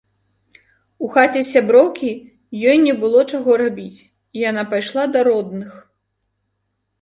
У хаце сяброўкі ёй не было чаго рабіць і яна пайшла да родных.